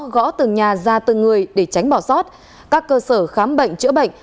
gõ từ nhà ra từ người để tránh bỏ sót các cơ sở khám bệnh chữa bệnh